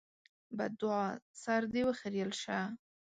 بدوعا: سر دې وخرېيل شه!